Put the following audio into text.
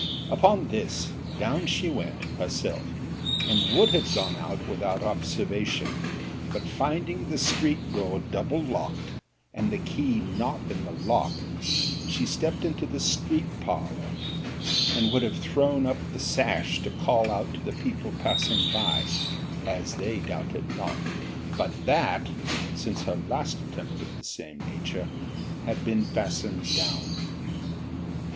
'Upon this, down she went, herself, and would have gone out without observation; but finding the street door double locked, and the key not in the lock, she stept into the street parlour, and would have thrown up the sash to call out to the people passing by, as they doubted not: but that, since her last attempt of the same nature, had been fastened down.